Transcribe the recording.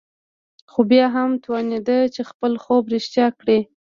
خو بيا هم وتوانېد چې خپل خوب رښتيا کړي.